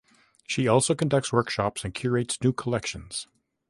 She also conducts workshops and curates new collections.